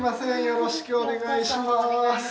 よろしくお願いします